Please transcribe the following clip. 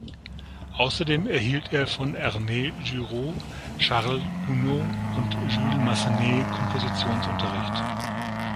Außerdem erhielt er von Ernest Guiraud, Charles Gounod und Jules Massenet Kompositionsunterricht.